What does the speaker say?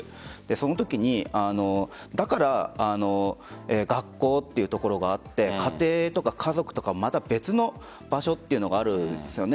そのときにだから学校というところがあって家庭とか家族とかはまた別の場所というのがあるんですよね。